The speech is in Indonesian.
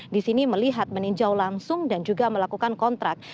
disini melihat meninjau langsung dan juga melakukan kontrak